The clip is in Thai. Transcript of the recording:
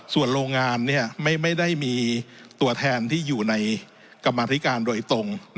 ส่วนโรงงานไม่ได้มีตัวแทนที่อยู่ในกรรมธิการโดยตรง